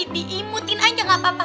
diimutin aja gak apa apa